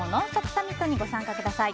サミットに参加してください。